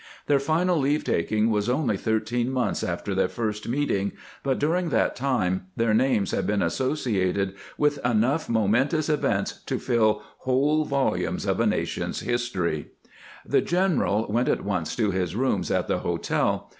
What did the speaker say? Their final leave taking was only thirteen months after their first meeting, but during that time their names had been associated with enough momen tous events to fiU whole volumes of a nation's history. The general went at once to his rooms at the hotel.